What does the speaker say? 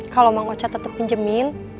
kalau mang ocat tetap pinjemin